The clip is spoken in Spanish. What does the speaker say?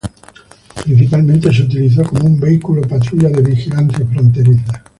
Principalmente su utilizó como un vehículo patrulla de vigilancia fronteriza.